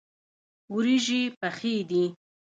وریژې پخې دي.